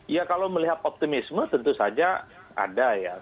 ya kalau melihat optimisme tentu saja ada ya